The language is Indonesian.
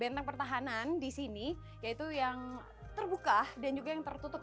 benteng pertahanan di sini yaitu yang terbuka dan juga yang tertutup